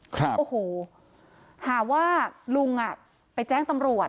ครับโอ้โหหาว่าลุงอ่ะไปแจ้งตำรวจ